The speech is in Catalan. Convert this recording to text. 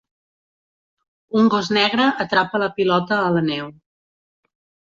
Un gos negre atrapa la pilota a la neu.